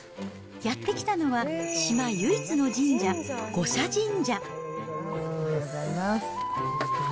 やって来たのは、島唯一の神社、五社神社。